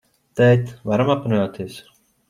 Tēt, varam aprunāties?